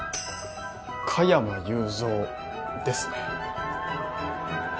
加山雄三ですね。